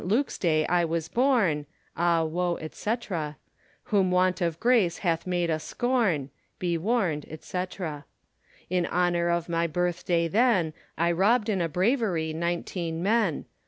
Lukes day was I borne, Ah woe, &c. Whom want of grace hath made a scorne, Be war, &c. In honor of my birth day then, I robd in a bravery nineteen men.